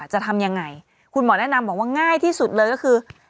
จะทำยังไงคุณหมอแนะนำบอกว่าง่ายที่สุดเลยก็คือ